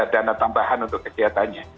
dana tambahan untuk kegiatannya